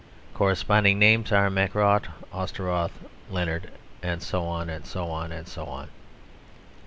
Corresponding names are Mackrodt, Osterroth, Leonard." And so on, and so on, and so on.